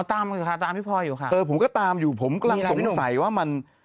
อ๋อตามอยู่ค่ะตามพี่พลอยอยู่ค่ะผมก็ตามอยู่ผมกำลังสงสัยว่ามัน